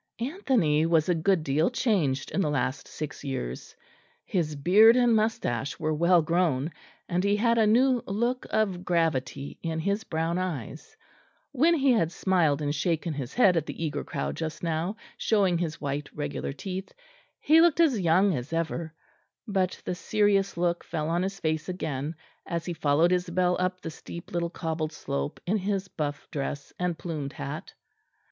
Anthony was a good deal changed in the last six years; his beard and moustache were well grown; and he had a new look of gravity in his brown eyes; when he had smiled and shaken his head at the eager crowd just now, showing his white regular teeth, he looked as young as ever; but the serious look fell on his face again, as he followed Isabel up the steep little cobbled slope in his buff dress and plumed hat.